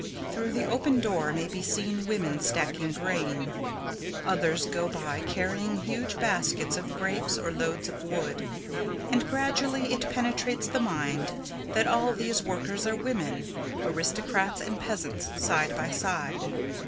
_ _Through the open door may be seen women stacking grain. Others go by carrying huge baskets of grapes or loads of wood, and gradually it penetrates the mind that all these workers are women, aristocrats and peasants side by side.